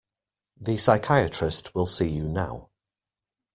The psychiatrist will see you now.